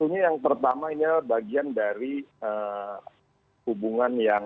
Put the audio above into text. tentunya yang pertama ini bagian dari hubungan yang